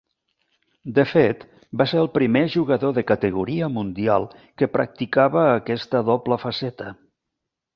De fet va ser el primer jugador de categoria mundial que practicava aquesta doble faceta.